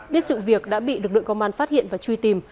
đến sự việc đã bị được đội công an phát hiện và truy tìm